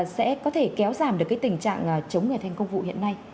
sẽ có thể kéo giảm được tình trạng chống người thành công vụ hiện nay